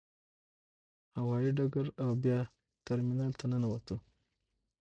هوايي ډګر او بیا ترمینال ته ننوتو.